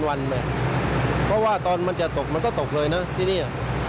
วันไหมเพราะว่าตอนมันจะตกมันก็ตกเลยนะที่นี่